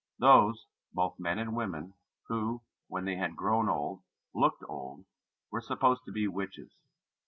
Those, both men and women, who, when they had grown old looked old, were supposed to be witches.